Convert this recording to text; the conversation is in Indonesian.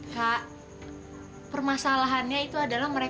kak permasalahannya itu adalah mau berubah